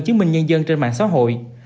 chứng minh nhân dân trên mạng xã hội